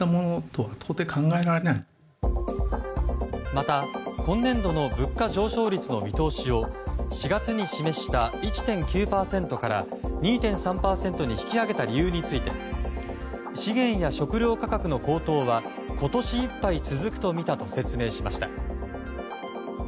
また今年度の物価上昇率の見通しを４月に示した１．９％から２．３％に引き上げた理由について資源や食糧価格の高騰は今年いっぱい続くとみたと説明しました。